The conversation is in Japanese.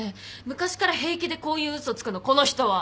昔から平気でこういう嘘つくのこの人は。